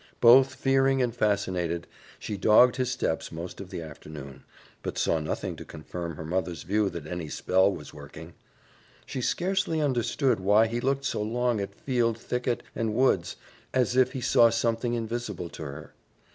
Both fearing and fascinated, she dogged his steps most of the afternoon, but saw nothing to confirm her mother's view that any spell was working. She scarcely understood why he looked so long at field, thicket, and woods, as if he saw something invisible to her.